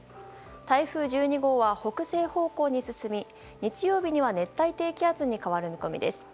台風１２号は北西方向に進み日曜日には熱帯低気圧に変わる見込みです。